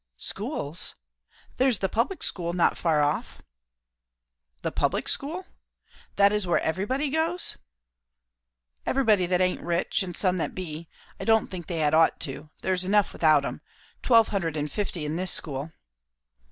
"Schools? There's the public school, not far off." "The public school? That is where everybody goes?" "Everybody that aint rich, and some that be. I don't think they had ought to. There's enough without 'em. Twelve hundred and fifty in this school."